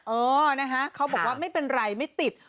เออนะคะเขาบอกว่าไม่เป็นไรไม่ติด